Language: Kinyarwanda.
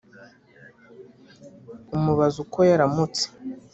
umubaza uko yaramutse